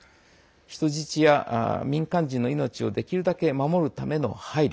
人質や民間人の命を、できるだけ守るための配慮。